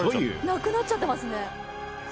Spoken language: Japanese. なくなっちゃってますね。